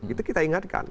itu kita ingatkan